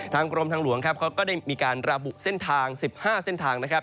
กรมทางหลวงครับเขาก็ได้มีการระบุเส้นทาง๑๕เส้นทางนะครับ